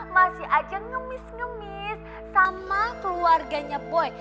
masih aja nyumis nyumis sama keluarganya boy